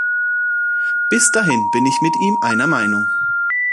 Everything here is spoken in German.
Bis dahin bin ich mit ihm einer Meinung.